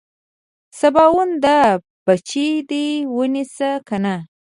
سباوونه دا بچي دې ونيسه کنه.